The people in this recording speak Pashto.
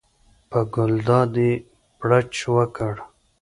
په ګلداد یې بړچ وکړ.